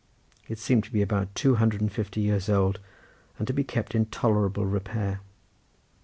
It seemed to be about two hundred and fifty years old, and to be kept in tolerable repair.